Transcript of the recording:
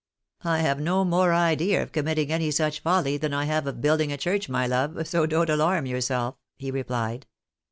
" I have no more idea of committing any such folly, than I have of building a church, my love, so don't alarm yourself," he replied.